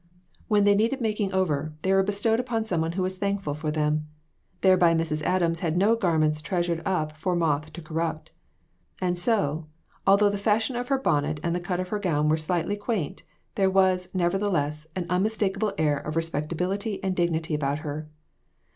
When they needed making over, they were bestowed upon some one who was WITHOUT ARE DOGS. 263 thankful for them ; thereby Mrs. Adams had no garments treasured up for moth to corrupt. And so, although the fashion of her bonnet and the cut of her gown were slightly quaint, there was, nevertheless, an unmistakable air of respect ability and dignity about her.